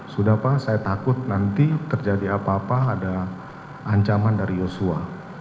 sudah pak saya takut nanti terjadi apa apa ada ancaman dari yosua